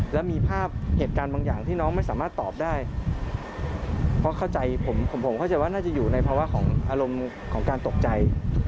แล้วมีภาพเหตุการณ์บางอย่างที่น้องไม่สามารถตอบได้เพราะเข้าใจผมผมเข้าใจว่าน่าจะอยู่ในภาวะของอารมณ์ของการตกใจ